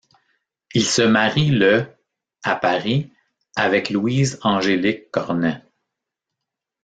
Il se marie le à Paris avec Louise Angélique Cornet.